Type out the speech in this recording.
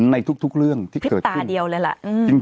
ในทุกเรื่องที่เกิดขึ้น